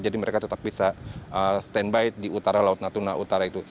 jadi mereka tetap bisa stand by di utara laut natuna utara itu